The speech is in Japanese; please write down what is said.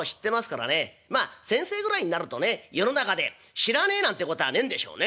まあ先生ぐらいになるとね世の中で知らねえなんてことはねえんでしょうね」。